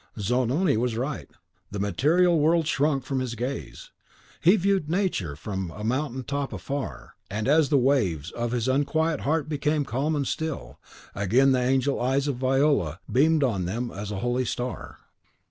Zanoni was right: the material world shrunk from his gaze; he viewed Nature as from a mountain top afar; and as the waves of his unquiet heart became calm and still, again the angel eyes of Viola beamed on them as a holy star.